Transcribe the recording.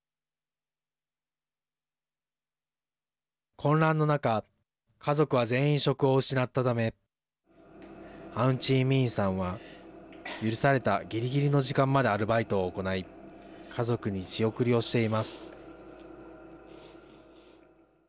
混乱の中家族は全員職を失ったためアウンチーミィンさんは許されたぎりぎりの時間までアルバイトを行い家族に仕送りをしています。